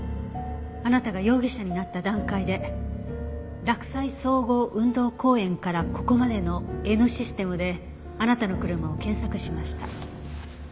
あなたが容疑者になった段階で洛西総合運動公園からここまでのＮシステムであなたの車を検索しました。